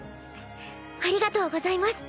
ありがとうございます。